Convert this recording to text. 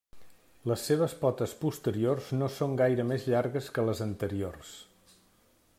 Les seves potes posteriors no són gaire més llargues que les anteriors.